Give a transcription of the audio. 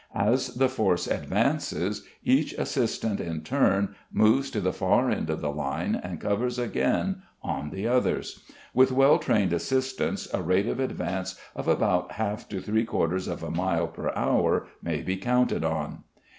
As the force advances each assistant in turn moves to the far end of the line and covers again on the others. With well trained assistants a rate of advance of about half to three quarters of a mile per hour may be counted on.